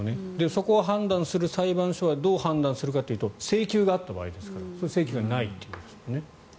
そこを判断する裁判所がどう判断するかというと請求があった場合ですから請求がないということですもんね。